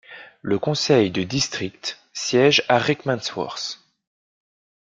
Le conseil de district siège à Rickmansworth.